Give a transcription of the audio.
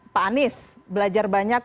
pak anies belajar banyak